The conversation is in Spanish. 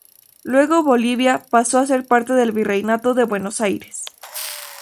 Luego Bolivia pasó a ser parte del Virreinato de Buenos Aires.